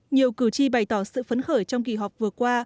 nhiều cử tri bày tỏ sự phấn khởi trong kỳ họp vừa qua